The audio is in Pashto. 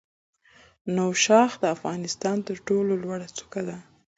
نوشاخ د افغانستان تر ټولو لوړه څوکه ده.